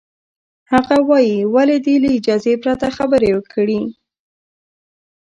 هغه وایي، ولې دې له اجازې پرته خبرې کړې؟